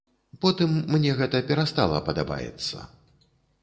Потым мне гэта перастала падабаецца.